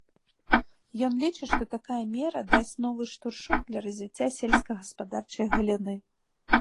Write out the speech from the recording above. Ён лічыць, што такая мера дасць новы штуршок для развіцця сельскагаспадарчай галіны.